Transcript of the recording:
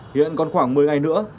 hiện còn khoảng một mươi ngày nữa